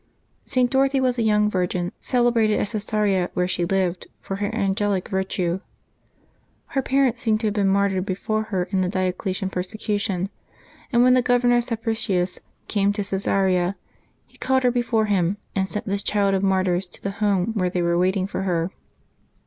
[t. Dorothy was a young virgin, celebrated at Caesarea, where she lived, for her angelic virtue. Her parents seem to have been martyred before her in the Diocletian persecution, and when the Governor Sapricius came to Caesarea he called her before him, and sent this child of martyrs to the home where they were waiting for her.